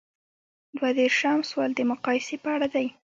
دوه دیرشم سوال د مقایسې په اړه دی.